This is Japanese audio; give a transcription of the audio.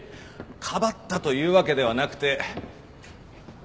かばったというわけではなくて。